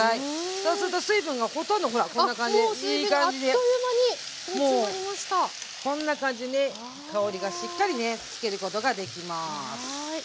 そうすると水分がほとんどほらこんな感じいい感じにもうこんな感じに香りがしっかりねつけることができます。